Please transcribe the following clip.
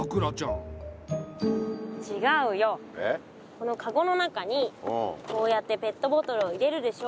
このカゴの中にこうやってペットボトルを入れるでしょ。